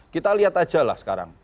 kita lihat aja lah sekarang